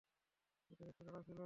ওদের একটু তাড়া ছিল।